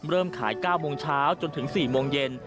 เริ่มขาย๙โมงเช้าจนถึง๔โมงเย็น